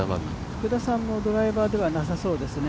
福田さんもドライバーではなさそうですね。